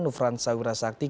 nufrans sawira sakti